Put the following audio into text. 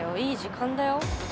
いい時間だよ？